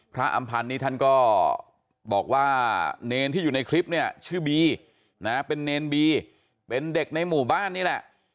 อำพันธ์นี่ท่านก็บอกว่าเนรที่อยู่ในคลิปเนี่ยชื่อบีนะเป็นเนรบีเป็นเด็กในหมู่บ้านนี่แหละ